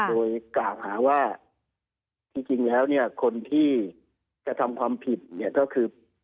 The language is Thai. โดยกล่าวหาว่าจริงแล้วเนี่ยคนที่กระทำความผิดเนี่ยก็คือ